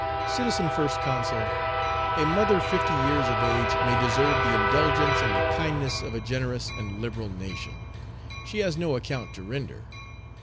"Citizen First Consul: A mother fifty years of age may deserve the indulgence and the kindness of a generous and liberal nation. She has no account to render.